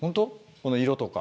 この色とか。